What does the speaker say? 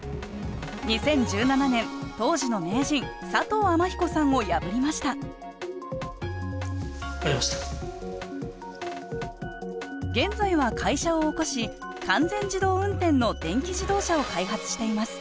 ２０１７年当時の名人佐藤天彦さんを破りました現在は会社を興し完全自動運転の電気自動車を開発しています